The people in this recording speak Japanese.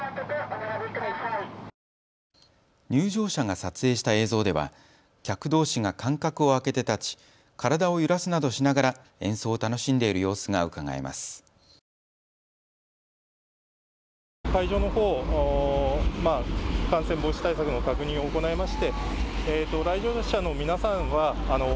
入場者が撮影した映像では客どうしが間隔を空けて立ち体を揺らすなどしながら演奏を楽しんでいる様子がうかがえます。